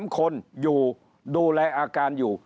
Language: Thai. ๓คนอยู่ดูแลอาการอยู่